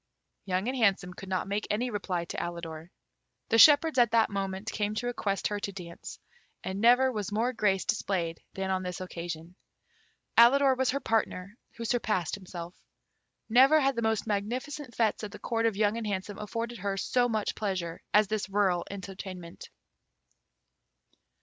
Young and Handsome could not make any reply to Alidor. The shepherds at that moment came to request her to dance, and never was more grace displayed than on this occasion. Alidor was her partner, who surpassed himself. Never had the most magnificent fêtes at the Court of Young and Handsome afforded her so much pleasure as this rural entertainment.